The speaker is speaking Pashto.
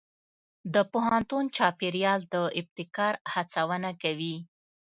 د پوهنتون چاپېریال د ابتکار هڅونه کوي.